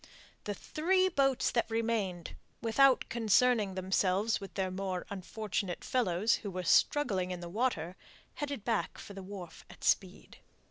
The three boats that remained, without concerning themselves with their more unfortunate fellows, who were struggling in the water, headed back for the wharf at speed.